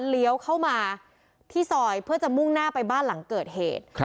เลี้ยวเข้ามาที่ซอยเพื่อจะมุ่งหน้าไปบ้านหลังเกิดเหตุ